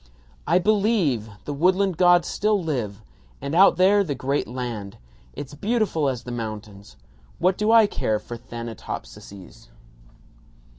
"I believe! The woodland gods still live! And out there, the great land. It's beautiful as the mountains. What do I care for Thanatopsises?"